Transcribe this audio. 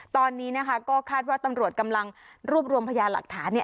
ตอนนี้นะคะก็คาดว่าตำรวจกำลังรวบรวมพยานหลักฐานเนี่ย